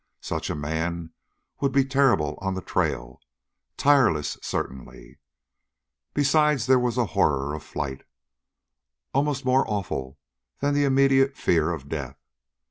Such a man would be terrible on the trail tireless, certainly. Besides there was the horror of flight, almost more awful than the immediate fear of death.